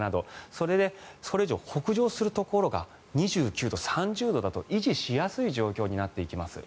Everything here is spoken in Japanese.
それでそれ以上北上するところが２９度、３０度だと維持しやすい状況になっていきます。